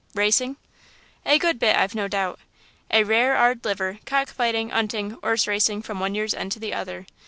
"Racing?" "A good bit, I've no doubt. A rare 'ard liver, cock fighting, 'unting, 'orse racing from one year's end to the other.